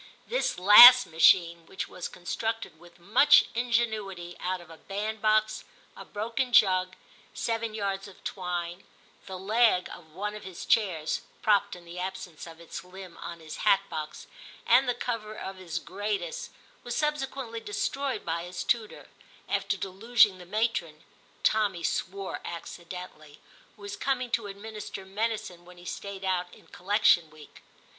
This last machine, which was constructed with much ingenuity out of a bandbox, a broken jug, seven yards of twine, the leg of one of his chairs (propped, in the absence of its limb, on his hat box), and the cover of his Gradus, was subsequently destroyed by his tutor, after deluging the matron (Tommy swore VI TIM 123 accidentally), who was coming to administer medicine when he stayed out in collection week.